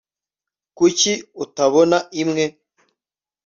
kuki utabona imwe